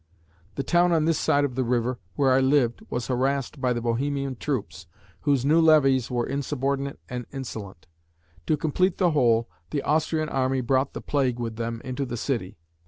The town on this side of the river where I lived was harassed by the Bohemian troops, whose new levies were insubordinate and insolent; to complete the whole, the Austrian army brought the plague with them into the city.